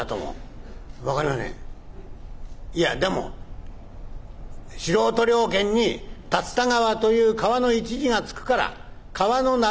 「いやでも素人了簡に竜田川という川の一字が付くから川の名だと思うか？」。